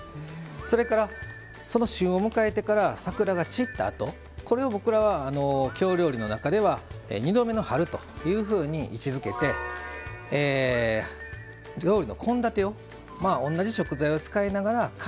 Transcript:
それからその旬を迎えてから桜が散ったあとこれを僕らは京料理の中では「２度目の春」というふうに位置づけて料理の献立をまあ同じ食材を使いながら変えると。